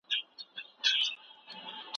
افغانستان ولې پرله پسې ورانیو سره مخ سو؟